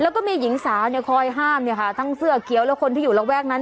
แล้วก็มีหญิงสาวเนี่ยคอยห้ามทั้งเสื้อเขียวและคนที่อยู่ระแวกนั้น